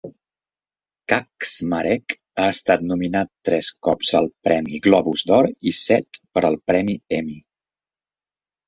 Kaczmarek ha estat nominat tres cops al premi Globus d'Or i set per al premi Emmy.